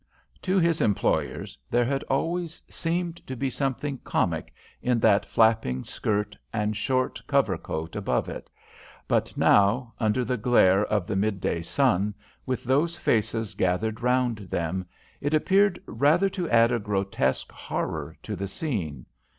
To his employers there had always seemed to be something comic in that flapping skirt and short cover coat above it; but now, under the glare of the mid day sun, with those faces gathered round them, it appeared rather to add a grotesque horror to the scene.